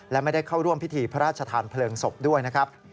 และไม่ได้เข้าร่วมพิธีพระราชทานเพลิงศพด้วยนะครับ